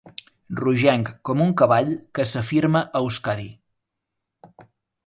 Rogenc com un cavall que s'afirma a Euskadi.